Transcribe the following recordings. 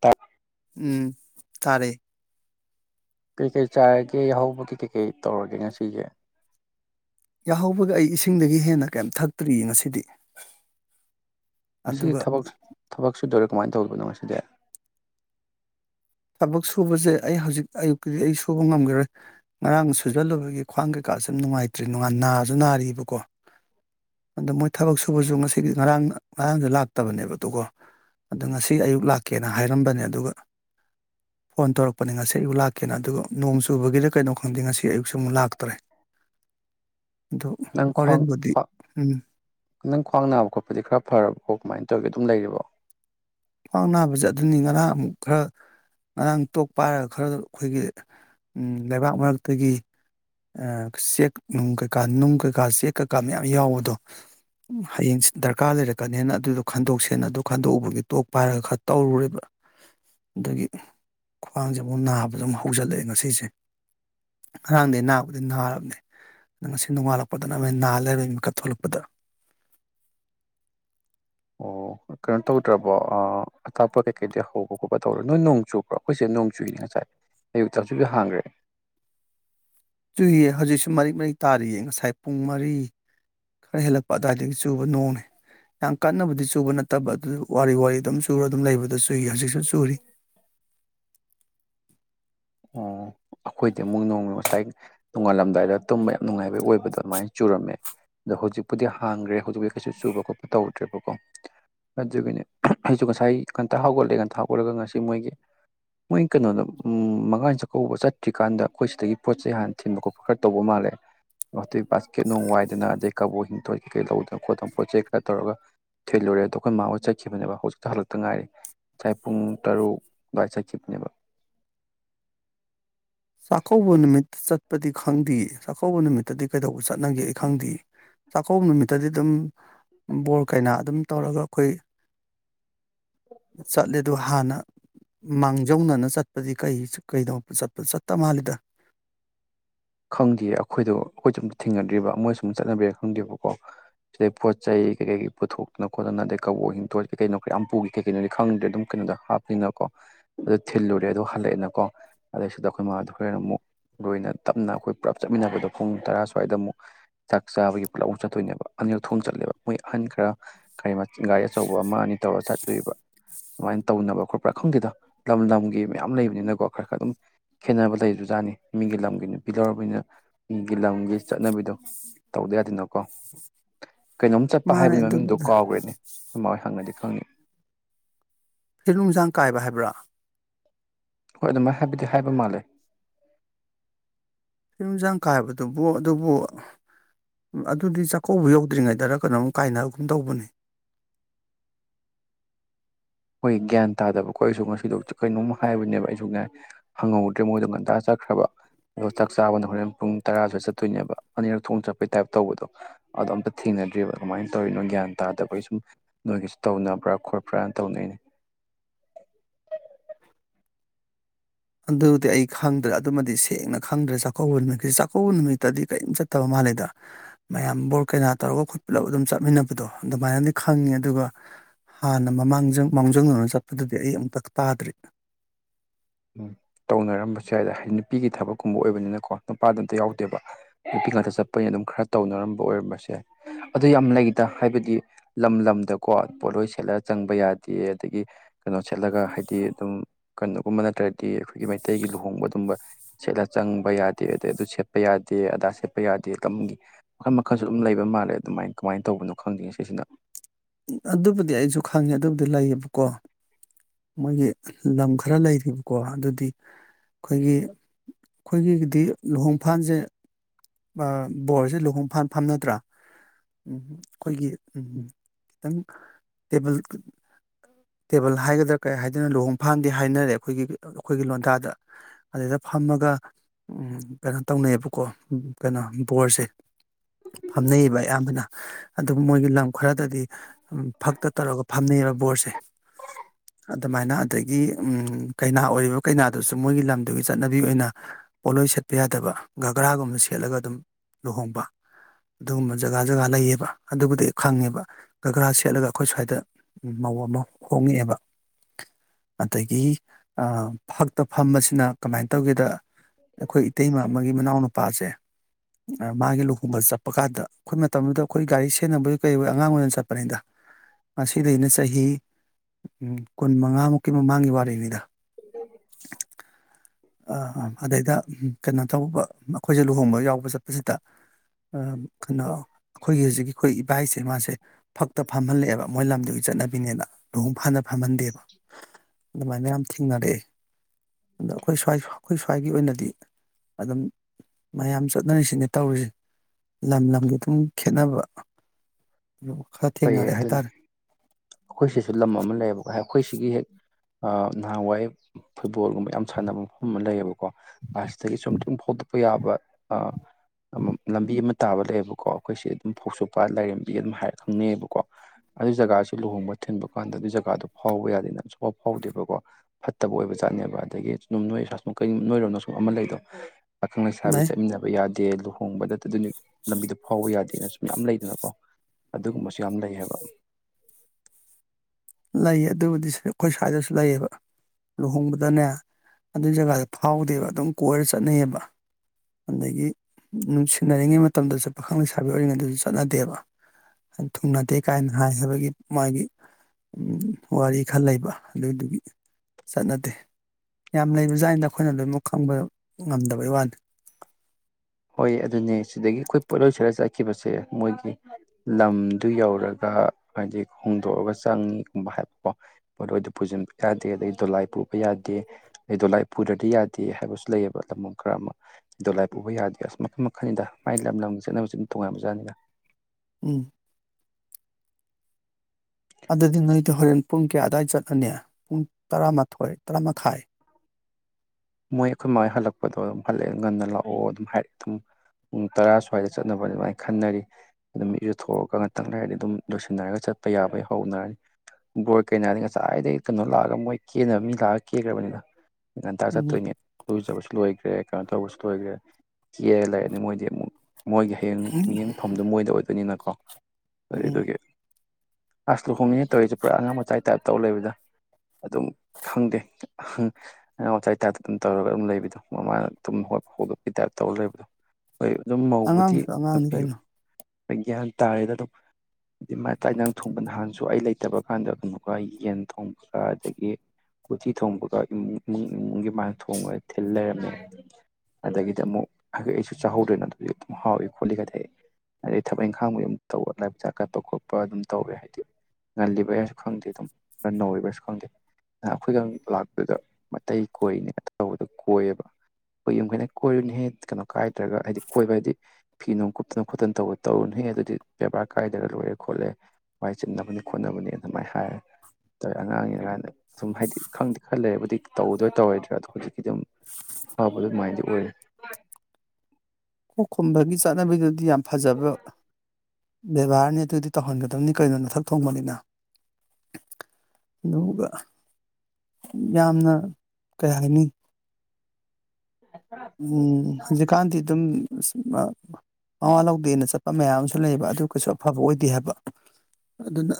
ꯇ ꯎꯝ ꯇꯥꯔꯦ ꯀꯩꯀꯩ ꯆꯥꯏꯔꯒꯦ ꯌꯥ ꯍꯧꯕꯒꯤ ꯀꯩꯀꯩ ꯇꯧꯔꯒꯦ ꯉꯁꯤꯁꯦ ꯌꯥꯍꯧꯕꯒ ꯑꯩ ꯏꯁꯤꯡꯗꯒꯤ ꯍꯦꯟꯅ ꯀꯩꯝ ꯊꯛꯇ꯭ꯔꯤ ꯉꯁꯤꯗꯤ ꯃꯁꯤꯒꯤ ꯑꯗꯨꯒ ꯊꯕꯛ ꯊꯕꯛꯁꯨ ꯗꯔꯛ ꯀꯃꯥꯏꯅ ꯇꯧꯔꯤꯕꯅꯣꯉꯁꯤꯗꯤ ꯊꯕꯛ ꯁꯨꯕꯁꯦ ꯑꯩ ꯍꯧꯖꯤꯛ ꯑꯌꯨꯛꯀꯤꯗꯤ ꯑꯩ ꯁꯨꯕ ꯉꯝꯈꯤꯔꯣꯏ ꯉꯔꯥꯡ ꯁꯨꯖꯜꯂꯨꯕꯒꯤ ꯈ꯭ꯋꯥꯡ ꯀꯩꯀꯥꯁ ꯌꯥꯝ ꯅꯨꯡꯉꯥꯏꯇ꯭ꯔꯤ ꯅꯥꯁꯨ ꯅꯥꯔꯤꯕꯀꯣ ꯑꯗꯣ ꯃꯣꯏ ꯊꯕꯛ ꯁꯨꯕꯁꯨ ꯉꯁꯤꯒꯤ ꯉꯔꯥꯡ ꯉꯔꯥꯡꯁꯨ ꯂꯥꯛꯇꯕꯅꯦꯕ ꯑꯗꯨꯀꯣ ꯑꯗ ꯉꯁꯤ ꯑꯌꯨꯛ ꯂꯥꯛꯀꯦꯅ ꯍꯥꯏꯔꯝꯕꯅꯦ ꯑꯗꯨꯒ ꯐꯣꯟ ꯇꯧꯔꯛꯄꯅꯤ ꯉꯁꯤ ꯑꯌꯨꯛ ꯂꯥꯛꯀꯦꯅ ꯑꯗꯨꯒ ꯅꯣꯡ ꯆꯨꯕꯒꯤꯗ ꯀꯩꯅꯣ ꯈꯪꯗꯦ ꯉꯁꯤ ꯑꯌꯨꯛꯁꯨ ꯑꯃꯨꯛ ꯂꯥꯛꯇ꯭ꯔꯦ ꯑꯗꯣ ꯅꯪ ꯍꯣꯔꯦꯟꯕꯨꯗꯤ ꯈ꯭ꯋꯥꯡ꯭ꯋꯥꯡ ꯎꯝ ꯅꯪ ꯈ꯭ꯋꯥꯡ ꯅꯥꯕ ꯈꯣꯠꯄꯗꯤ ꯈꯔ ꯐꯔꯕꯀꯣ ꯀꯃꯥꯏꯅ ꯇꯧꯒꯦꯅꯣ ꯇꯨꯝ ꯂꯩ ꯈ꯭ꯋꯥꯡ ꯅꯥꯕꯁꯦ ꯑꯗꯨꯅꯤ ꯉꯔꯥꯡ ꯑꯃꯨꯛ ꯈꯔ ꯉꯔꯥꯡ ꯇꯣꯛ ꯄꯥꯏꯔꯒ ꯈꯔ ꯑꯩꯈꯣꯏꯒꯤ ꯂꯩꯕꯥꯛ ꯃꯔꯛꯇꯒꯤ ꯆꯦꯛ ꯅꯨꯡ ꯀꯩꯀꯥ ꯅꯨꯡ ꯀꯩꯀꯥ ꯆꯦꯛ ꯀꯩꯀꯥ ꯃꯌꯥꯝ ꯌꯥꯎꯕꯗꯣ ꯍꯌꯦꯡ ꯗꯔꯀꯥꯔ ꯂꯩꯔꯛꯀꯅꯤꯅ ꯑꯗꯨꯗꯣ ꯈꯟꯗꯣꯛꯁꯦꯅ ꯑꯗꯨ ꯈꯟꯗꯣꯛꯎꯕꯒꯤ ꯇꯣꯛ ꯄꯥꯏꯔꯒ ꯈꯔ ꯇꯧꯔꯨꯔꯦꯕ ꯑꯗꯨꯒꯤ ꯈ꯭ꯋꯥꯡꯁꯦ ꯑꯃꯨꯛ ꯅꯥꯕꯗ ꯑꯗꯨꯝ ꯍꯧꯖꯜꯂꯛꯑꯦ ꯉꯁꯤꯁꯦ ꯉꯔꯥꯡꯗꯒꯤ ꯅꯥꯕꯨꯗꯤ ꯅꯥꯔꯕꯅꯦ ꯑ ꯉꯁꯤ ꯅꯣꯡꯉꯥꯜꯂꯛꯄꯗꯅ ꯑꯃꯅ ꯅꯥ ꯂꯩꯔꯣꯏ ꯃꯈꯠ ꯊꯣꯛꯂꯛꯄꯗ ꯑꯣ ꯀꯩꯅꯣ ꯇꯧꯗ꯭ꯔꯕꯣ ꯑꯇꯥꯞꯄ ꯀꯩꯀꯩꯗꯤ ꯍꯧꯕ ꯈꯣꯠꯄ ꯇꯧꯕ ꯅꯣꯏ ꯅꯣꯡ ꯆꯨꯕ꯭ꯔꯣ ꯑꯩꯈꯣꯏꯁꯦ ꯅꯣꯡ ꯆꯨꯏꯅꯦ ꯉꯁꯥꯏ ꯑꯌꯨꯛꯇ ꯍꯧꯁꯨꯛꯛꯇ ꯍꯥꯡꯈ꯭ꯔꯦ ꯆꯨꯏꯌꯦ ꯍꯧꯖꯤꯛꯁꯨ ꯃꯔꯤꯛ ꯃꯔꯤꯛ ꯇꯥꯔꯤꯌꯦ ꯉꯁꯥꯏ ꯄꯨꯡ ꯃꯔꯤ ꯈꯔ ꯍꯦꯜꯂꯛꯄ ꯑꯗꯨꯋꯥꯏꯗꯒꯤ ꯆꯨꯕ ꯅꯣꯡꯅꯦ ꯌꯥꯝ ꯀꯟꯅꯕꯨꯗꯤ ꯆꯨꯕ ꯅꯠꯇꯕ ꯑꯗꯨ ꯋꯥꯔꯤ ꯋꯥ ꯑꯗꯨꯝ ꯆꯨꯔ ꯑꯗꯨꯝ ꯂꯩꯕꯗ ꯆꯨꯏꯌꯦ ꯍꯧꯖꯤꯛꯁꯨ ꯆꯨꯔꯤ ꯑꯣ ꯑꯩꯈꯣꯏꯗꯤ ꯑꯃꯨꯛ ꯅꯣꯡ ꯉꯁꯥꯏ ꯇꯣꯡꯉꯜꯂꯝꯗꯥꯏꯗ ꯇꯨꯝꯕ ꯌꯥꯝ ꯅꯨꯡꯉꯥꯏꯕꯩ ꯑꯣꯏꯕꯗꯣ ꯑꯗꯨꯃꯥꯏꯅ ꯆꯨꯔꯝꯃꯦ ꯑꯗꯣ ꯍꯧꯖꯤꯛꯄꯨꯗꯤ ꯍꯥꯡꯈ꯭ꯔꯦ ꯍꯧꯖꯤꯛꯇꯤ ꯀꯩꯁꯨ ꯆꯨꯕ ꯈꯣꯠꯄ ꯇꯧꯔꯗ꯭ꯔꯦꯕꯀꯣ ꯑꯗꯨꯒꯤꯅꯤ ꯑꯩꯁꯨ ꯉꯁꯥꯏ ꯀꯟꯇ ꯍꯧꯒꯠꯂꯦ ꯀꯟꯇ ꯍꯧꯒꯠꯂꯒ ꯉꯁꯤ ꯃꯣꯏꯒꯤ ꯃꯣꯏ ꯀꯩꯅꯣꯗꯣ ꯑꯉꯥꯡ ꯆꯥꯛꯀꯧꯕ ꯆꯠꯇ꯭ꯔꯤꯀꯥꯟꯗ ꯑꯩꯈꯣꯏ ꯁꯤꯗꯒꯤ ꯄꯣꯠ ꯆꯩꯩ ꯍꯥꯟꯅ ꯊꯤꯟꯕ ꯈꯣꯠꯄ ꯈꯔ ꯇꯧꯕ ꯃꯥꯜꯂꯦ ꯍꯧꯖꯤ ꯕꯥꯁꯀꯦꯠ ꯅꯨꯡ ꯋꯥꯏꯗꯅ ꯑꯗꯩ ꯀꯕꯣꯛ ꯍꯤꯡꯊꯣꯏ ꯀꯩꯀꯩ ꯂꯧꯗꯅ ꯈꯣꯠꯇꯅ ꯄꯣꯠ ꯆꯩ ꯈꯔ ꯇꯧꯔꯒ ꯊꯤꯜꯂꯨꯔꯦ ꯑꯗꯣ ꯑꯩꯈꯣꯏ ꯃꯥ ꯍꯣꯏ ꯆꯠꯈꯤꯕꯅꯦꯕ ꯍꯧꯖꯤꯛꯇ ꯍꯜꯂꯛꯇ ꯉꯥꯏꯔꯦ ꯁꯋꯥꯥꯏ ꯄꯨꯡ ꯇꯔꯨꯛ ꯑꯗꯨꯋꯥꯏꯗ ꯆꯠꯈꯤꯕꯅꯦꯕ ꯆꯥꯛꯀꯧꯕ ꯅꯨꯃꯤꯠꯇ ꯆꯠꯄꯗꯤ ꯈꯪꯗꯦ ꯆꯥꯛꯀꯧꯕ ꯅꯨꯃꯤꯠꯇꯗꯤ ꯀꯩꯗꯧꯕ ꯆꯠꯅꯒꯦ ꯑꯩ ꯈꯪꯗꯦ ꯆꯥꯛꯀꯧꯕ ꯅꯨꯃꯤꯠꯇꯗꯤ ꯑꯗꯨꯝ ꯕꯣꯔ ꯀꯩꯅꯥ ꯑꯗꯨꯝ ꯇꯧꯔꯒ ꯑꯩꯈꯣꯏ ꯆꯠꯂꯦ ꯑꯗꯨꯗ ꯍꯥꯟꯅ ꯃꯥꯡꯖꯧꯅꯅ ꯆꯠꯄꯗꯤ ꯀꯩ ꯀꯩꯗꯧ ꯆꯠꯄ ꯆ ꯇ ꯃꯥ ꯂꯤꯗ ꯈꯪꯗꯦ ꯑꯩꯈꯣꯏꯗꯣ ꯑꯩꯈꯣꯏꯁꯨ ꯑꯝꯇ ꯊꯦꯡꯅꯗ꯭ꯔꯤꯕ ꯃꯣꯏꯁꯨ ꯁꯨꯝꯝ ꯆꯠꯅꯕꯤꯔ ꯈꯪꯗꯦꯕꯀꯣ ꯁꯤꯗꯩ ꯄꯣꯠ ꯆꯩ ꯀꯩꯀꯩ ꯀꯩ ꯄꯨꯊꯣꯛꯇꯅ ꯈꯣꯠꯇꯅ ꯑꯗꯩ ꯀꯕꯣꯛ ꯍꯤꯡꯇꯣꯠ ꯀꯩꯀꯩꯅꯣ ꯑꯝꯄꯨꯒꯤ ꯀꯩꯀꯩꯅꯣꯗꯤ ꯈꯪꯗ꯭ꯔꯦ ꯑꯗꯨꯝ ꯀꯩꯅꯣꯗ ꯍꯥꯞꯇꯅꯀꯣ ꯑꯗꯨꯗꯣ ꯊꯤꯜꯂꯨꯔꯦ ꯑꯗꯣ ꯍꯜꯂꯛꯑꯦꯅꯀꯣ ꯑꯗꯩꯁꯤꯗ ꯑꯩꯈꯣꯏ ꯃꯥꯗꯣ ꯍꯣꯔꯦꯟ ꯑꯃꯨꯛ ꯂꯣꯏꯅ ꯇꯞꯅ ꯑꯩꯈꯣꯏ ꯄꯨꯜꯂꯞ ꯆꯠꯃꯤꯟꯅꯕꯗꯣ ꯄꯨꯡ ꯇꯔꯥ ꯁ꯭ꯋꯥꯏꯗ ꯑꯃꯨꯛ ꯆꯥꯛ ꯆꯥꯕꯒꯤ ꯄꯨꯜꯂꯞ ꯑꯃꯨꯛ ꯆꯠꯇꯣꯏꯅꯦꯕ ꯑꯅꯤꯔꯛ ꯊꯣꯡ ꯆꯠꯂꯦꯕ ꯃꯣꯏ ꯑꯍꯟ ꯈꯔ ꯀꯔꯤ ꯒꯥꯔꯤ ꯑꯆꯧꯕ ꯑꯃ ꯑꯅꯤ ꯇꯧꯔ ꯆꯠ ꯑꯗꯨꯕ ꯑꯗꯨꯃꯥꯏꯅ ꯇꯧꯅꯕ ꯈꯣꯠꯄ ꯈꯪꯗꯦꯗ ꯂꯝ ꯂꯝꯒꯤ ꯃꯌꯥꯝ ꯂꯩꯕꯅꯤꯅꯀꯣ ꯈꯔ ꯈꯔ ꯑꯗꯨꯝ ꯈꯦꯠꯅꯕ ꯂꯩꯁꯨꯖꯥꯠꯅꯤ ꯃꯤꯒꯤ ꯂꯝꯒꯤꯅꯤ ꯄꯤꯗꯧꯔꯕꯅꯤꯅ ꯃꯤꯒꯤ ꯂꯝꯒꯤ ꯆꯠꯅꯕꯤꯗꯣ ꯇꯧꯗ ꯌꯥꯗꯦꯅꯀꯣ ꯀꯩꯅꯣꯝ ꯆꯠꯄ ꯃꯥꯅꯦ ꯍꯥꯏꯕꯒꯤ ꯃꯃꯤꯡꯗꯣ ꯑꯗꯨꯕꯨꯗꯤ ꯀꯥꯎꯈ꯭ꯔꯦꯅꯦ ꯍꯣꯏꯃꯣꯏ ꯈꯪꯅꯗꯤ ꯈꯪꯉꯤ ꯐꯤꯔ ꯅꯨꯡꯁꯥꯡ ꯀꯥꯏꯕ ꯍꯥꯏꯕ꯭ꯔꯥ ꯍꯣꯏ ꯑꯗꯨꯃꯥꯏꯅ ꯍꯥꯏꯕꯗꯤ ꯍꯥꯏꯕ ꯃꯥꯜꯂꯦ ꯐꯤꯔꯝꯁꯥꯡ ꯀꯥꯕꯗꯨꯕꯨ ꯑꯗꯨꯕꯨ ꯑꯗꯨꯗꯤ ꯆꯥꯛꯀꯧꯕ ꯌꯧꯗ꯭ꯔꯤꯉꯩꯗꯔ ꯀꯩꯅꯣꯝ ꯀꯥꯏꯅꯕꯒꯨꯝ ꯇꯧꯕꯅꯤ ꯑꯩꯈꯣꯏ ꯒ꯭ꯌꯥꯟ ꯇꯥꯗꯕ ꯈꯣꯠ ꯑꯩꯁꯨ ꯉꯁꯤꯗꯣ ꯀꯩꯅꯣꯝ ꯍꯥꯏꯕꯅꯦꯕ ꯑꯩꯁꯨ ꯉꯥꯏ ꯍꯪꯍꯧꯗ꯭ꯔꯦ ꯃꯣꯏꯗꯣ ꯉꯟꯇꯥ ꯆꯠꯈ꯭ꯔꯕ ꯑꯗꯣ ꯆꯥꯛ ꯆꯥꯕꯅ ꯍꯣꯔꯦꯟ ꯄꯨꯡ ꯇꯔꯥꯁꯨꯗ ꯆꯠꯇꯣꯏꯅꯦꯕ ꯑꯅꯤꯔꯛ ꯊꯣꯛꯅ ꯆꯠꯄꯩ ꯇꯥꯏꯞ ꯇꯧꯕꯗꯣ ꯑꯗꯣ ꯑꯝꯇ ꯊꯦꯡꯅꯗ꯭ꯔꯤꯕꯕ ꯀꯃꯥꯏꯅ ꯇꯧꯔꯤꯅꯣꯏ ꯒ꯭ꯌꯥꯟ ꯇꯥꯗꯕꯒꯤ ꯁꯨꯝ ꯅꯣꯏꯒꯤꯁꯨ ꯇꯧꯅꯕ꯭ꯔꯥ ꯈꯣꯠꯄ꯭ꯔꯥ ꯇꯧꯅꯅꯦ ꯑꯗꯨꯗꯤ ꯑꯩ ꯈꯪꯗ꯭ꯔꯦ ꯑꯗꯨꯃꯗꯤ ꯁꯦꯡꯅ ꯈꯪꯗ꯭ꯔꯦ ꯆꯥꯛꯀꯧꯕ ꯅꯨꯃꯤꯠꯁꯤ ꯆꯥꯛꯀꯧꯕ ꯅꯨꯃꯤꯠꯇꯗꯤ ꯀꯔꯤꯝ ꯆꯠꯇꯕ ꯃꯥꯜꯂꯦꯗ ꯃꯌꯥꯝ ꯕꯣꯔ ꯀꯩꯅꯥ ꯇꯧꯔꯒ ꯈꯠ ꯄꯨꯜꯂꯒ ꯑꯗꯨꯝ ꯆꯠꯃꯤꯟꯅꯕꯗꯣ ꯑꯗꯨꯃꯥꯏꯅꯗꯤ ꯈꯪꯉꯤ ꯑꯗꯨꯒ ꯍꯥꯟꯅ ꯃꯃꯥꯡꯖ ꯃꯥꯡꯖꯪꯅꯧꯅ ꯆꯠꯄꯗꯨꯗꯤ ꯑꯩ ꯑꯃꯨꯛꯇ ꯇꯥꯗ꯭ꯔꯤ ꯇꯧꯅꯔꯝꯕꯁꯨ ꯌꯥꯏꯗ ꯍꯥꯏꯗꯤ ꯅꯨꯄꯤꯒꯤ ꯊꯕꯛꯀꯨꯝꯕ ꯑꯣꯏꯕꯅꯤꯅꯀꯣ ꯅꯨꯄꯥꯗ ꯑꯝꯇ ꯌꯥꯎꯗꯦꯕ ꯅꯨꯄꯤ ꯉꯥꯛꯇ ꯆꯠꯄꯅꯤꯅ ꯑꯗꯨꯝ ꯈꯔ ꯇꯧꯅꯔꯝꯕ ꯑꯣꯏꯔꯝꯕꯁꯨ ꯌꯥꯏ ꯑꯗꯨꯗ ꯌꯥꯝ ꯂꯩꯗ ꯍꯥꯏꯕꯗꯤ ꯂꯝ ꯂꯝꯗꯀꯣ ꯄꯣꯠꯂꯣꯏ ꯁꯦꯠꯂꯒ ꯆꯪꯕ ꯌꯥꯗꯦ ꯑꯗꯒꯤ ꯀꯩꯅꯣ ꯁꯦꯠꯂꯒ ꯍꯥꯏꯗꯤ ꯑꯗꯨꯝ ꯀꯩꯅꯣꯒꯨꯝꯕꯅ ꯅꯠꯇ꯭ꯔꯗꯤ ꯑꯩꯈꯣꯏꯒꯤ ꯃꯩꯇꯩꯒꯤ ꯂꯨꯍꯣꯡꯕ ꯑꯗꯨꯨꯝꯕ ꯁꯦꯗꯥ ꯆꯪꯕ ꯌꯥꯗꯦ ꯑꯗꯩ ꯑꯗꯨ ꯁꯦꯠꯄ ꯌꯥꯗꯦ ꯑꯗꯥ ꯁꯦꯠꯄ ꯌꯥꯗꯦ ꯀꯝꯒꯤ ꯃꯈꯜ ꯃꯈꯜꯁꯨ ꯑꯗꯨꯝ ꯂꯩꯕ ꯃꯥꯜꯂꯦ ꯑꯗꯨꯃꯥꯏ ꯀꯃꯥꯏꯅ ꯇꯧꯕꯅꯣ ꯈꯪꯗꯦꯉꯦ ꯁꯤꯁꯤꯅ ꯑꯗꯨꯕꯨꯗꯤ ꯑꯩꯁꯨ ꯈꯪꯉꯦ ꯑꯗꯨꯕꯨꯗꯤ ꯂꯩꯌꯦꯕꯀꯣ ꯃꯣꯏꯒꯤ ꯂꯝ ꯈꯔ ꯂꯩꯔꯤꯕꯀꯣ ꯑꯗꯨꯗꯤ ꯑꯩꯈꯣꯏꯒꯤ ꯑꯩꯈꯣꯏꯒꯤꯗꯤ ꯂꯨꯍꯣꯡꯐꯥꯟꯁꯦ ꯕꯣꯔꯁꯦ ꯂꯨꯍꯣꯡꯐꯥꯟ ꯐꯝꯅꯗ꯭ꯔꯥ ꯎꯝ ꯑꯩꯈꯣꯏꯒꯤ ꯎꯝꯝ ꯈꯤꯇꯪ ꯇꯦꯕꯜ ꯇꯦꯕꯜ ꯍꯥꯏꯒꯗ꯭ꯔꯥ ꯀꯩ ꯍꯥꯏꯗꯅ ꯂꯨꯍꯣꯡꯐꯥꯟꯗꯤ ꯍꯥꯏꯅꯔꯦ ꯑꯩꯈꯣꯏꯒꯤ ꯑꯩꯈꯣꯏꯒꯤ ꯂꯣꯟꯊꯥꯗ ꯑꯗꯨꯗ ꯐꯝꯃꯒ ꯎꯝ ꯀꯩꯅꯣ ꯇꯧꯅꯩꯑꯕꯀꯣ ꯎꯝ ꯀꯩꯅꯣ ꯕꯣꯔꯁꯦ ꯐꯝꯅꯩꯌꯦꯕ ꯑꯌꯥꯝꯕꯅ ꯑꯗꯨꯕꯨ ꯃꯣꯏꯒꯤ ꯂꯝ ꯈꯔꯗꯗꯤ ꯐꯛꯇ ꯇꯧꯔꯒ ꯐꯝꯅꯩꯑꯕ ꯕꯣꯔꯁꯦ ꯑꯗꯨꯃꯥꯏꯅ ꯑꯗꯒꯤ ꯀꯩꯅꯥ ꯑꯣꯏꯔꯤꯕ ꯀꯩꯅꯥꯗꯨꯁꯨ ꯃꯣꯏꯒꯤ ꯂꯝꯗꯨꯒꯤ ꯆꯠꯅꯕꯤ ꯑꯣꯏꯅ ꯄꯣꯠꯂꯣꯏ ꯁꯦꯠꯄ ꯌꯥꯗꯕ ꯒꯒ꯭ꯔꯥꯒꯨꯝꯕ ꯁꯦꯠꯂꯒ ꯑꯗꯨꯝ ꯂꯨꯍꯣꯡꯕ ꯑꯗꯨꯒꯨꯝꯕ ꯖꯒꯥ ꯖꯒꯥ ꯂꯩꯌꯦꯕ ꯑꯗꯨꯕꯨꯗꯤ ꯈꯪꯉꯦꯕ ꯒꯒ꯭ꯔꯥ ꯁꯦꯠꯂꯒ ꯑꯩꯈꯣꯏ ꯁ꯭ꯋꯥꯏꯗ ꯃꯧ ꯑꯃ ꯍꯣꯡꯉꯛꯑꯦꯕ ꯑꯗꯒꯤ ꯐꯛꯇ ꯐꯝꯕꯁꯤꯅ ꯀꯃꯥꯏꯅ ꯇꯧꯒꯦꯗ ꯑꯩꯈꯣꯏ ꯏꯇꯩꯃ ꯑꯃꯒꯤ ꯃꯅꯥꯎꯅꯨꯄꯥꯁꯦ ꯃꯥꯒꯤꯦ ꯂꯨ ꯈꯣꯡꯕꯁ ꯆꯠꯄ ꯀꯥꯟꯗ ꯑꯩꯈꯣꯏ ꯃꯇꯝꯗꯨꯗ ꯑꯩꯈꯣꯏ ꯒꯥꯔꯤ ꯁꯦꯟꯅꯕꯒꯤ ꯀꯩ ꯑꯉꯥꯡ ꯑꯣꯏꯅ ꯆꯠꯄꯅꯤꯗ ꯉꯁꯤꯗꯩꯅ ꯆꯍꯤ ꯀꯨꯟ ꯃꯉꯥꯃꯨꯛꯀꯤ ꯃꯃꯥꯡꯒꯤ ꯋꯥꯔꯤꯅꯤꯗ [inaudible] ꯑ ꯑꯗꯩꯗ ꯀꯩꯅꯣ ꯇꯧꯕ ꯑꯩꯈꯣꯏꯁꯦ ꯂꯨꯍꯣꯡꯕ ꯌꯥꯎꯕ ꯆꯠꯄꯁꯤꯗ ꯀꯩꯅꯣ ꯑꯩꯈꯣꯏꯒꯤ ꯍꯧꯖꯤꯛꯀꯤ ꯑꯩꯈꯣꯏ ꯏꯚꯥꯏꯁꯦ ꯃꯥꯁꯦ ꯐꯛꯇ ꯐꯝꯍꯜꯂꯛꯑꯦꯕ ꯃꯣꯏ ꯂꯝꯗꯨꯒꯤ ꯆꯠꯅꯕꯤꯅꯦꯅ ꯂꯨꯍꯣꯡ ꯐꯥꯅ ꯐꯝꯍꯟꯗꯦꯕ ꯑꯗꯨꯃꯥꯏꯅ ꯌꯥꯝ ꯊꯦꯡꯅꯔꯛꯑꯦ ꯑꯗꯣ ꯑꯩꯈꯣꯏ ꯁ꯭ꯏ ꯑꯩꯈꯣꯏ ꯁ꯭ꯋꯥꯏꯒꯤ ꯑꯣꯏꯅꯗꯤ ꯑꯗꯨꯝ ꯃꯌꯥꯝ ꯆꯠꯅꯔꯤꯁꯤꯅꯦ ꯇꯧꯔꯤꯁꯦ ꯂꯝ ꯂꯝꯒꯤ ꯑꯗꯨꯝ ꯈꯦꯠꯅꯕ ꯑꯗꯨ ꯈꯔ ꯐꯩꯌꯦ ꯊꯦꯡꯅꯔꯦ ꯑꯗꯨꯅꯤ ꯍꯥꯏꯇꯥꯔꯦ ꯑꯩꯈꯣꯏꯁꯤꯁꯨ ꯂꯝ ꯑꯃ ꯂꯩꯌꯦꯕ ꯍꯥꯏ ꯑꯩꯈꯣꯏꯁꯤꯒꯤ ꯍꯦꯛ ꯅꯍꯥꯟꯋꯥꯏ ꯐꯨꯠꯕꯣꯜꯒꯨꯝꯕ ꯌꯥꯝ ꯁꯥꯟꯅꯕ ꯃꯐꯝ ꯑꯃ ꯂꯩꯌꯦꯕꯀꯣ ꯑ ꯁꯤꯗꯒꯤ ꯁꯇꯝ ꯐꯥꯎꯗꯣꯛꯄ ꯌꯥꯕ ꯂꯝꯕꯤ ꯑꯃ ꯇꯥꯕ ꯂꯩꯌꯦꯕꯀꯣ ꯑꯩꯈꯣꯏꯁꯤ ꯑꯗꯨꯝ ꯐꯧꯆꯣꯛꯄ ꯂꯥꯏꯔꯦꯝꯕꯤ ꯑꯗꯨꯝ ꯍꯥꯏꯔꯛ ꯈꯪꯅꯩꯑꯕꯀꯣ ꯑꯗꯨꯏ ꯖꯒꯥꯁꯨ ꯂꯨꯍꯣꯡꯕ ꯊꯤꯟꯕ ꯀꯥꯟꯗ ꯑꯗꯨꯏ ꯖꯒꯥꯗꯣ ꯐꯥꯎꯕ ꯌꯥꯗꯦ ꯅꯁꯨꯐꯥꯎ ꯐꯥꯎꯗꯦꯕꯀꯣ ꯐꯠꯇꯕ ꯑꯣꯏꯕꯖꯥꯠꯅꯦꯕ ꯑꯗꯒꯤꯨꯝ ꯅꯣꯏꯔ ꯁꯥꯁ ꯀꯩ ꯅꯣꯏꯔꯣꯅꯁꯨꯝ ꯑꯃ ꯂꯩꯗꯣ ꯄꯥꯈꯪ ꯂꯩꯁꯥꯕꯤ ꯂꯩ ꯆꯠꯃꯤꯟꯅꯕ ꯌꯥꯗꯦ ꯇꯦ ꯂꯨꯍꯣꯡꯕꯗ ꯗ ꯑꯗꯨꯏ ꯅꯨ ꯂꯝꯕꯤꯗꯣ ꯐꯥꯎꯕ ꯌꯥꯗꯦ ꯗꯦꯅ ꯁꯨꯝ ꯌꯥꯝ ꯂꯩꯗꯅꯀꯣ ꯑꯗꯨꯒꯨꯝꯕꯁꯨ ꯌꯥꯝ ꯂꯩ ꯍꯥꯏꯕ ꯂꯩꯌꯦ ꯑꯗꯨꯕꯨꯗꯤ ꯁ ꯑꯩꯈꯣꯏ ꯁ꯭ꯋꯥꯏꯗꯁꯨ ꯂꯩꯌꯦꯕ ꯂꯨꯍꯣꯡꯕꯗꯅꯦ ꯑꯗꯨꯒꯤ ꯖꯒꯥꯗ ꯐꯥꯎꯗꯦꯕ ꯑꯗꯨꯝ ꯀꯣꯏꯔ ꯆꯠꯅꯩꯌꯦꯕ ꯑꯗꯒꯤ ꯅꯨꯡꯁꯤꯅꯔꯤꯉꯩ ꯃꯇꯝꯗꯁꯨ ꯄꯥꯈꯪ ꯂꯩꯁꯥꯕꯤ ꯑꯣꯏꯔꯤꯉꯩꯗꯁꯨ ꯆꯠꯅꯗꯦꯕ ꯑ ꯊꯨꯡꯅꯗꯦ ꯀꯥꯏꯅ ꯍꯥꯏ ꯍꯥꯏꯕꯒꯤ ꯃꯥꯒꯤ ꯎꯝ ꯋꯥꯔꯤ ꯈꯟ ꯂꯩꯕ ꯑꯗꯨꯗꯨꯒꯤ ꯆꯠꯅꯗꯦ ꯌꯥꯝ ꯂꯩꯕꯖꯥꯠꯅꯤꯗ ꯑꯩꯈꯣꯏꯅ ꯂꯣꯏꯃꯛ ꯈꯪꯕ ꯉꯝꯗꯕꯩ ꯋꯥꯅꯤ ꯈꯤꯕꯁꯦ ꯃꯣꯏꯒꯤ ꯂꯝꯗꯨ ꯌꯧꯔꯒ ꯍꯥꯏꯗꯤ ꯍꯣꯡꯗꯣꯛꯑꯒ ꯆꯪꯉꯤꯒꯨꯝꯕ ꯍꯥꯏꯕꯀꯣ ꯄꯣꯂꯣꯏꯗꯨ ꯄꯨꯖꯤꯟꯕ ꯌꯥꯗꯦ ꯑꯗꯩ ꯗꯣꯂꯥꯏ ꯄꯨꯕ ꯌꯥꯗꯦ ꯑꯗꯩ ꯗꯣꯂꯥꯏ ꯄꯨꯗ꯭ꯔꯗꯤ ꯌꯥꯗꯦ ꯍꯥꯏꯕꯁꯨ ꯂꯩꯑꯕ ꯂꯝ ꯈꯔ ꯑꯃ ꯗꯣꯂꯥꯏ ꯄꯨꯕ ꯌꯥꯗꯦ ꯌꯦꯁ ꯃꯈꯜ ꯃꯈꯜꯅꯤꯗ ꯃꯥꯏ ꯂꯝ ꯂꯝꯒꯤ ꯆꯠꯅꯕꯁꯤ ꯑꯗꯨꯝ ꯇꯣꯡꯉꯥꯟꯕꯖꯥꯠꯅꯤꯗ ꯎꯝ ꯑꯗꯨꯗꯤ ꯅꯣꯏ ꯗꯤ ꯍꯣꯔꯦꯟ ꯄꯨꯡ ꯀꯌꯥ ꯑꯗ꯭ꯋꯥꯏ ꯆꯠꯂꯅꯤ ꯄꯨꯡ ꯇꯔꯥꯃꯥꯊꯣꯏ ꯇꯔꯥꯃꯈꯥꯏ ꯃꯣꯏ ꯑꯩꯈꯣꯏ ꯃꯥ ꯍꯣꯏ ꯍꯜꯂꯛꯄꯗꯣ ꯑꯗꯨꯝ ꯍꯜꯂꯛꯑꯦ ꯉꯟꯅ ꯂꯥꯛꯑꯣ ꯑꯗꯨꯝ ꯍꯥꯏꯔꯦ ꯑꯗꯨꯝ ꯄꯨꯡ ꯇꯔꯥ ꯁ꯭ꯋꯥꯏꯗ ꯆꯠꯅꯕ ꯑꯗꯨꯃꯥꯏꯅ ꯈꯟꯅꯔꯤ ꯑꯗꯨꯝ ꯃꯤꯁꯨ ꯊꯣꯛꯑꯒ ꯉꯥꯇꯪ ꯂꯩꯔꯗꯤ ꯑꯗꯨꯝ ꯂꯣꯏꯁꯤꯟꯅꯔꯒ ꯆꯠꯄ ꯌꯥꯕꯩ ꯍꯧꯅꯔꯅꯤ ꯕꯣꯔ ꯀꯩꯅꯥꯗꯤ ꯉꯁꯥꯏꯗꯩ ꯀꯩꯅꯣ ꯂꯥꯛꯑꯒ ꯃꯣꯏ ꯀꯦꯅꯕ ꯃꯤ ꯂꯥꯛꯑꯒ ꯀꯦꯒ꯭ꯔꯕꯅꯤꯗ ꯉꯟꯇꯥ ꯎꯝ ꯇꯣꯏꯅꯦ ꯏꯔꯨꯖꯕꯁꯨ ꯂꯣꯏꯈ꯭ꯔꯦ ꯀꯩꯅꯣ ꯇꯧꯔꯁꯨ ꯇꯣꯏꯈ꯭ꯔꯦ ꯀꯦꯔꯒ ꯂꯩꯔꯅꯤ ꯃꯣꯏꯗꯤ ꯑꯃꯨꯛ ꯃꯣꯏꯒꯤ ꯍꯌꯦꯡ ꯃꯤꯠꯌꯦꯡꯐꯝꯗꯨ ꯃꯣꯏꯗ ꯑꯣꯏꯗꯣꯏꯅꯤꯅ ꯀꯣ ꯐꯔꯦ ꯎꯝ ꯑꯗꯨꯒꯤ ꯑꯁ ꯂꯨꯍꯣꯡꯉꯤꯅꯦ ꯇꯧꯔꯤꯖꯦ ꯄꯨꯔꯥ ꯑꯉꯥꯡ ꯃꯆꯥꯥꯏ ꯇꯥꯏꯞ ꯇꯧꯔ ꯂꯩꯕꯗ ꯑꯗꯨꯝ ꯈꯪꯗꯦ ꯑꯍꯪ ꯑꯉꯥꯡ ꯃꯆꯥꯥꯏ ꯇꯥꯏꯞꯇ ꯑꯗꯨꯝ ꯇꯧꯔꯒ ꯑꯗꯨꯝ ꯂꯩꯕꯤꯗꯣ ꯃꯃꯥꯅ ꯇꯨꯝ ꯍꯧꯒꯠ ꯍꯧꯗꯣꯛꯄꯩ ꯇꯥꯏꯞ ꯇꯧꯔ ꯂꯩꯕꯗꯣ ꯍꯣꯏ ꯑꯗꯨꯝ ꯃꯧꯕꯨꯗꯤ ꯑꯉꯥꯡꯁꯨ ꯑꯉꯥꯡꯅꯤ ꯅꯨꯞꯄꯤꯌꯨ ꯀꯩꯅꯣ ꯒ꯭ꯌꯥꯟ ꯇꯥꯔꯦꯗ ꯑꯗꯨꯝ ꯍꯥꯏꯗꯤ ꯃꯥ ꯆꯥꯛ ꯏꯟꯖꯥꯡ ꯊꯣꯡꯕ ꯅꯍꯥꯟꯁꯨ ꯑꯩ ꯂꯩꯇꯕ ꯀꯥꯟꯗ ꯑꯕꯨꯡꯃꯨꯛꯀ ꯌꯦꯟ ꯊꯣꯡꯕꯒ ꯑꯗꯒꯤ ꯎꯇꯤ ꯊꯣꯡꯕꯒ ꯏꯃꯨꯡ ꯏꯃꯨꯡ ꯏꯃꯨꯡꯒꯤ ꯃꯥꯅ ꯊꯣꯡꯉ ꯊꯤꯜ ꯂꯩꯔꯝꯃꯦ ꯑꯗꯒꯤꯗꯤ ꯑꯃꯨꯛ ꯍꯥꯏꯀꯤ ꯑꯩꯁꯨ ꯆꯥꯍꯧꯗ꯭ꯔꯦꯅ ꯑꯗꯨꯗꯤ ꯑꯗꯨꯝ ꯍꯥꯎꯋꯤ ꯈꯣꯠꯂꯤꯒꯗꯤ ꯑꯗꯩ ꯊꯕꯛ ꯏꯪꯈꯥꯡꯕꯨꯗꯤ ꯑꯗꯨꯝ ꯇꯧꯕ ꯂꯥꯏ ꯄꯨꯖꯥ ꯀꯠꯄ ꯈꯣꯠꯄ ꯑꯗꯨꯝ ꯇꯧꯋꯦ ꯍꯥꯏꯗꯤ ꯉꯜꯂꯤꯕꯩꯔꯥ ꯁꯨ ꯈꯪꯗꯦ ꯑꯗꯨꯝ ꯈꯔ ꯅꯧꯔꯤꯕꯩꯔꯥ ꯁꯨ ꯈꯪꯗꯦ ꯑ ꯑꯩꯈꯣꯏꯒ ꯂꯥꯛꯄꯗ ꯃꯇꯩ ꯈꯣꯏꯅꯤ ꯇꯧꯕꯗꯣ ꯀꯣꯏꯑꯕ ꯈꯣꯏ ꯌꯨꯝꯈꯣꯏꯅ ꯀꯣꯏꯔꯨꯅꯨꯍꯦ ꯀꯩꯅꯣ ꯀꯥꯏ ꯅꯠꯇ꯭ꯔꯒ ꯍꯥꯏꯗꯤ ꯀꯣꯏꯕ ꯍꯥꯏꯗꯤ ꯐꯤ ꯅꯨꯡ ꯀꯨꯞꯇꯅ ꯈꯣꯠꯇꯅ ꯇꯧꯕ ꯇꯧꯔꯨꯅꯨꯍꯦ ꯑꯗꯨꯗꯤ ꯕꯦꯕꯥꯔ ꯀꯥꯏꯗ꯭ꯔꯒ ꯂꯣꯏꯔꯦ ꯈꯣꯠꯂꯦ ꯋꯥꯏ ꯆꯤꯟꯅꯕꯅꯤ ꯈꯣꯠꯅꯕꯅꯤ ꯑꯗꯨꯃꯥꯏꯅ ꯍꯥꯏꯔꯦ ꯇꯧꯋꯦ ꯑꯉꯥꯡꯅꯤꯀꯥꯏꯗ ꯁꯨꯝ ꯍꯥꯏꯗꯤ ꯈꯪꯗꯤ ꯈꯔ ꯂꯩꯔꯕꯨꯗꯤ ꯇꯧꯗꯣꯏ ꯇꯧꯔꯣꯏꯗ꯭ꯔꯥ ꯑꯗꯣ ꯍꯧꯖꯤꯛꯀꯤꯗꯤ ꯑꯗꯨꯝ ꯐꯕꯗ ꯑꯗꯨꯃꯥꯏꯟꯗꯤ ꯑꯣꯏꯔꯦ ꯀꯣꯛ ꯈꯨꯝꯕꯒꯤ ꯆꯠꯅꯕꯤꯗꯨꯗꯤ ꯌꯥꯝ ꯐꯖꯕ ꯕꯦꯕꯥꯔꯅꯤ ꯑꯗꯨꯗꯤ ꯇꯧꯍꯟꯒꯗꯕꯅꯤ ꯀꯩꯅꯣ ꯅꯊꯛ ꯊꯣꯡꯕꯅꯤꯅ ꯑꯗꯨꯒ ꯌꯥꯝꯅ ꯀꯩ ꯍꯥꯏꯅꯤ ꯎꯝ ꯎꯝ ꯎꯝ ꯎꯝ ꯍꯧꯖꯤꯛ ꯀꯥꯟꯗꯤ ꯑꯗꯨꯝ ꯎ ꯑꯁ ꯃ ꯃꯋꯥꯥ ꯂꯧꯗꯦꯅ ꯆꯠꯄ ꯃꯌꯥꯝ ꯑꯃꯁꯨ ꯂꯩꯌꯦꯕ ꯑꯗꯨ ꯀꯩꯁꯨ ꯑꯐꯕ ꯑꯣꯏꯗꯦ ꯍꯥꯏꯕ ꯑꯗꯨꯅ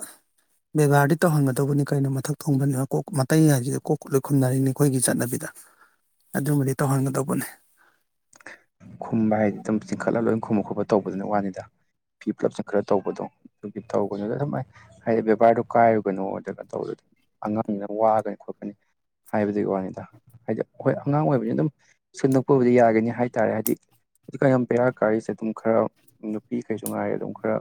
ꯕꯦꯕꯥꯔꯗꯤ ꯇꯧꯍꯟꯒꯗꯧꯕꯅꯤ ꯀꯩꯅꯣ ꯃꯊꯛ ꯊꯣꯡꯕꯅꯤꯅ ꯀꯣꯛ ꯃꯇꯩ ꯍꯥꯏꯁꯤꯗꯤ ꯀꯣꯛ ꯂꯣꯏ ꯈꯨꯝꯅꯔꯤꯅꯤ ꯑꯩꯈꯣꯏꯒꯤ ꯆꯠꯅꯕꯤꯗ ꯑꯗꯨꯃꯗꯤ ꯇꯧꯍꯟꯒꯗꯧꯕꯅꯤ ꯈꯨꯝꯕ ꯍꯥꯏꯗꯤ ꯑꯗꯨꯝ ꯆꯤꯡꯈꯠꯂ ꯂꯣꯏꯝ ꯈꯨꯝꯕ ꯈꯣꯠꯄ ꯇꯧꯕꯗꯨꯅ ꯋꯥꯅꯤꯗ ꯐꯤ ꯄꯨꯂꯞ ꯆꯤꯡꯈꯠꯂ ꯇꯧꯕꯗꯣ ꯑꯗꯨꯒꯤ ꯇꯧꯒꯅꯨꯗ ꯑꯗꯨꯝ ꯍꯥꯏ ꯍꯥꯏꯗꯤ ꯕꯦꯕꯥꯔꯗꯣ ꯀꯥꯏꯔꯨꯒꯅꯨ ꯑꯗꯨꯒ ꯇꯧꯕꯗ ꯑꯉꯥꯡꯅꯤꯅ ꯋꯥꯒꯅꯤ ꯈꯣꯠꯀꯅꯤ ꯍꯥꯏꯕꯗꯨꯒꯤ ꯋꯥꯅꯤꯗ ꯍꯥꯏꯗꯤ ꯍꯣꯏ ꯑꯉꯥꯡ ꯑꯣꯏꯕꯅꯤ ꯑꯗꯨꯝ ꯁꯦꯝꯟꯗꯣꯛꯄꯕꯨꯗꯤ ꯌꯥꯒꯤꯅꯤ ꯍꯥꯏꯇꯥꯔꯦ ꯍꯥꯏꯗꯤ ꯍꯧꯖꯤꯛ ꯀꯌꯥꯝ ꯄꯦꯔꯥ ꯀꯥꯔꯤꯁꯦ ꯑꯗꯨꯝ ꯈꯔ ꯅꯨꯄꯤꯈꯩꯁꯨ ꯉꯥꯏꯔꯦ ꯑꯗꯨꯝ ꯈꯔ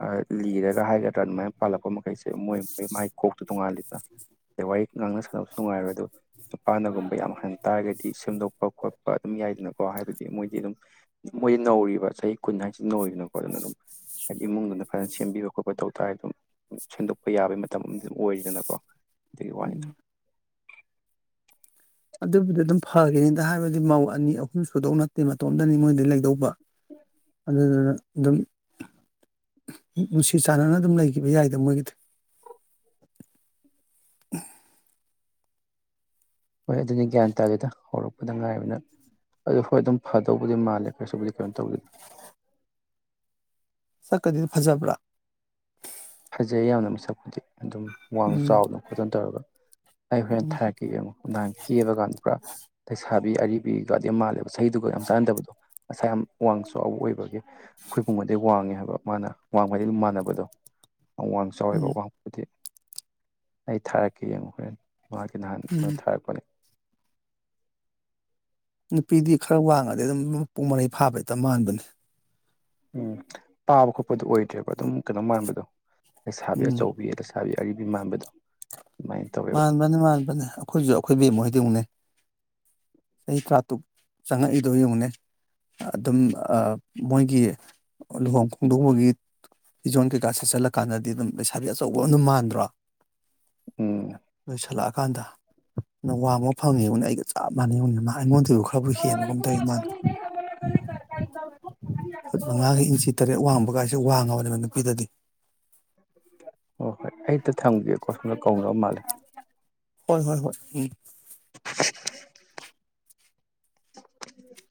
ꯍꯥꯏ ꯂꯤꯔꯒ ꯍꯥꯏꯒꯗ꯭ꯔꯥ ꯑꯗꯨꯃꯥꯏꯅ ꯄꯥꯜꯂꯛꯄ ꯃꯈꯩꯁꯦ ꯃꯣꯏ ꯃꯣꯏ ꯃꯥꯏ ꯀꯣꯛꯇꯨ ꯇꯣꯡꯉꯥꯜꯂꯤꯗꯅ ꯑꯗꯩ ꯋꯥꯔꯤ ꯉꯥꯡꯅ ꯁꯥꯟꯅꯕꯁꯨ ꯅꯨꯡꯉꯥꯏꯔꯣꯏ ꯑꯗꯨ ꯅꯨꯄꯥꯅꯒꯨꯝꯕ ꯌꯥꯝ ꯍꯟ ꯇꯥꯔꯒꯗꯤ ꯁꯦꯝꯗꯣꯛꯄ ꯈꯣꯠꯄ ꯑꯗꯨꯝ ꯌꯥꯏꯗꯅ ꯀꯣ ꯍꯥꯏꯕꯗꯤ ꯃꯣꯏꯗꯤ ꯑꯗꯨꯝ ꯃꯣꯏꯗꯤ ꯅꯧꯔꯤꯕ ꯆꯍꯤ ꯀꯨꯟ ꯍꯥꯏꯁꯤ ꯅꯧꯔꯤꯗꯅꯀꯣ ꯑꯗꯨꯅ ꯑꯗꯨꯝ ꯍꯥꯏꯗꯤ ꯏꯃꯨꯡꯗꯨꯅ ꯐꯖꯅ ꯁꯦꯝꯕꯤꯕ ꯈꯣꯠꯄ ꯇꯧ ꯇꯥꯔꯦ ꯑꯗꯨꯝ ꯁꯦꯝꯗꯣꯛꯄ ꯌꯥꯕꯩ ꯃꯇꯝ ꯑꯃ ꯑꯗꯨꯝ ꯑꯣꯏꯔꯤꯗꯅꯀꯣ ꯑꯗꯨꯒꯤ ꯋꯥꯅꯤꯗꯥ ꯎꯝ ꯑꯗꯨꯕꯨꯗꯤ ꯑꯗꯨꯝ ꯐꯒꯤꯅꯤꯗ ꯍꯥꯏꯕꯗꯤ ꯃꯧ ꯑꯅꯤ ꯑꯍꯨꯝ ꯁꯨꯗꯧ ꯅꯠꯇꯦ ꯃꯇꯣꯝꯗꯅꯤ ꯃꯣꯏꯗ ꯂꯩꯗꯧꯕ [inaudible] ꯑꯗꯨꯗꯨꯅ ꯑꯗꯨꯝ ꯅꯨꯡꯁꯤ ꯆꯥꯟꯅꯅ ꯑꯗꯨꯝ ꯂꯩꯈꯤꯕ ꯌꯥꯏꯗ ꯃꯣꯏꯒꯤꯗꯤ [inaudible] ꯍꯣꯏ ꯑꯗꯨꯅꯤ ꯒ꯭ꯌꯥꯟ ꯇꯥꯗꯦꯗ ꯍꯧꯔꯛꯄꯗ ꯉꯥꯏꯔꯤꯕꯅꯤꯅ ꯑꯗꯨ ꯍꯣꯏ ꯑꯗꯨꯝ ꯐꯗꯧꯕꯨꯗꯤ ꯃꯥꯜꯂꯦ ꯀꯩꯁꯨꯕꯨꯗꯤ ꯀꯩꯅꯣ ꯇꯧꯗꯦꯗ ꯁꯛꯀꯗꯤ ꯐꯖꯕ꯭ꯔꯥ ꯐꯖꯩ ꯌꯥꯝꯅ ꯃꯁꯛꯄꯨꯗꯤ ꯑꯗꯨꯝ ꯋꯥꯡ ꯎꯝ ꯆꯥꯎꯗꯅ ꯈꯣꯠꯇꯅ ꯇꯧꯔꯒ ꯑꯩ ꯍꯣꯔꯦꯟ ꯎꯝ ꯊꯥꯔꯛꯀꯦ ꯌꯦꯡꯉꯣ ꯅꯍꯥꯟ ꯀꯦꯕ ꯀꯥꯗꯣ ꯄꯨꯔꯥ ꯂꯩꯁꯥ ꯑꯔꯤꯕꯤꯒꯗꯤ ꯌꯥꯝ ꯃꯥꯜꯂꯦꯕ ꯆꯍꯤꯗꯨꯒ ꯌꯥꯝ ꯆꯥꯟꯅꯗꯕꯗꯣ ꯃꯁꯥ ꯌꯥꯝ ꯋꯥꯡꯆꯥꯎꯕ ꯑꯣꯏꯕꯒꯤ ꯑꯩꯈꯣꯏ ꯕꯨꯡꯉꯣꯗꯩ ꯋꯥꯡꯉꯦ ꯍꯥꯏ ꯃꯥꯅ ꯋꯥꯡꯕ ꯍꯥꯏꯗꯤ ꯑꯗꯨꯝ ꯃꯥꯟꯅꯕꯗꯣ ꯑꯋꯥꯡ ꯆꯥꯎꯋꯦꯕ ꯎꯝ ꯋꯥꯡꯕꯗꯤ ꯑꯩ ꯊꯥꯔꯛꯀꯦ ꯌꯦꯡꯉꯣ ꯍꯣꯔꯦꯟ ꯃꯍꯥꯛꯀꯤ ꯅꯍꯥꯟ ꯀꯩꯅꯣ ꯎꯝ ꯊꯥꯔꯛꯄꯅꯦ ꯅꯨꯄꯤꯗꯤ ꯈꯔ ꯋꯥꯡꯉꯗꯤ ꯑꯗꯨꯝ ꯃꯄꯨꯡ ꯃꯔꯩ ꯐꯥꯕ ꯍꯦꯛꯇ ꯃꯥꯟꯕꯅꯤ ꯎꯝ ꯄꯥꯕ ꯈꯣꯠꯄꯗꯨꯣ ꯑꯣꯏꯗ꯭ꯔꯦꯕ ꯑꯗꯨꯝ ꯀꯩꯅꯣ ꯃꯥꯟꯕꯗꯣ ꯂꯩꯁꯥꯕꯤ ꯎꯝ ꯑꯆꯧꯕꯤ ꯂꯩꯁꯥꯕꯤ ꯑꯔꯤꯕꯤ ꯃꯥꯟꯕꯗꯣ ꯑꯗꯨꯃꯥꯏꯅ ꯇꯧꯋꯦꯕ ꯃꯥꯟꯕꯅꯤ ꯃꯥꯟꯕꯅꯤ ꯑꯩꯈꯣꯏꯁꯨ ꯑꯩꯈꯣꯏ ꯕꯦꯝꯃ ꯍꯣꯏꯗꯤ ꯌꯦꯡꯉꯨꯅꯦ ꯆꯍꯤ ꯇꯔꯥꯇꯔꯨꯛ ꯆꯪꯉꯛꯏꯗꯣ ꯌꯦꯡꯉꯨꯅꯦ ꯑꯗꯨꯝ ꯃꯣꯏꯒꯤ ꯂꯨꯍꯣꯡ ꯈꯣꯡꯗꯣꯡꯕꯒꯤ ꯐꯤꯖꯣꯟ ꯀꯩꯀꯥ ꯁꯦꯠꯆꯜꯂꯀꯥꯟꯗꯗꯤ ꯑꯗꯨꯝ ꯂꯩꯁꯥꯕꯤ ꯑꯆꯧꯕ ꯑꯗꯨꯝ ꯃꯥꯟꯗ꯭ꯔꯣ ꯎꯝ ꯄꯨꯁꯜꯂꯛꯑꯀꯥꯟꯗ ꯅꯪ ꯋꯥꯡꯕ ꯐꯪꯉꯦꯕꯅꯦ ꯑꯩꯒ ꯆꯞ ꯃꯥꯟꯅꯩꯅꯦ ꯃꯥꯉꯣꯟꯗ ꯑꯗꯨꯨ ꯈꯔꯕꯨ ꯍꯣꯏ ꯍꯦꯟꯕꯒꯨꯝ ꯍꯣꯏ ꯇꯧꯋꯤ ꯃꯥꯅ ꯐꯨꯠ ꯃꯉꯥꯒ ꯏꯟꯆꯤ ꯇꯔꯦꯠ ꯋꯥꯡꯕꯒꯥꯏꯁꯦ ꯋꯥꯡꯉꯕꯅꯦꯕ ꯄꯤꯗꯗꯤ ꯑꯣ ꯍꯣꯏ ꯑꯩ ꯇ ꯊꯝꯒꯦꯀꯣ ꯁꯣꯝꯗ ꯀꯧꯅꯕ ꯃꯥꯜꯂꯦ [inaudible] ꯍꯣꯏ ꯍꯣꯏ ꯍꯣꯏ ꯎꯝ [inaudible]